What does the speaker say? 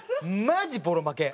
マジでボロ負け？